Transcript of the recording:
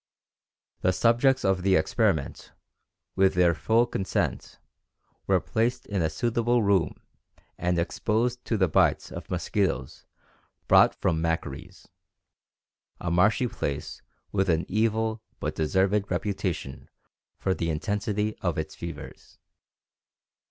The subjects of the experiment, with their full consent, were placed in a suitable room and exposed to the bites of mosquitoes brought from Maccarese, "a marshy place with an evil but deserved reputation for the intensity of its fevers."